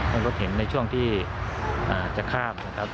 รถเข็นในช่วงที่จะข้ามนะครับ